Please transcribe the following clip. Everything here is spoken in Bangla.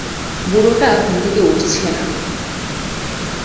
বুড়োটা ঘুম থেকে উঠছে না!